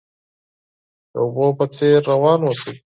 د اوبو په څیر روان اوسئ.